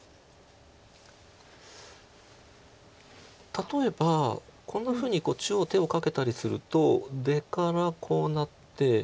例えばこんなふうに中央手をかけたりすると出からこうなって。